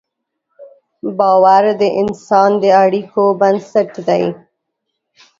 باور د انسان د اړیکو بنسټ دی.